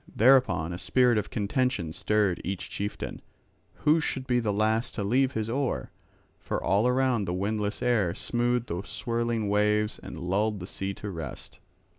Thereupon a spirit of contention stirred each chieftain, who should be the last to leave his oar. For all around the windless air smoothed the swirling waves and lulled the sea to rest.